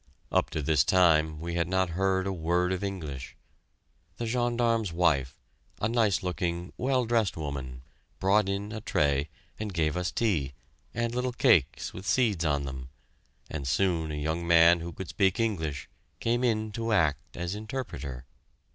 Up to this time we had not heard a word of English. The gendarme's wife, a nice looking, well dressed woman, brought in a tray and gave us tea, and little cakes with seeds on them, and soon a young man who could speak English came in to act as interpreter.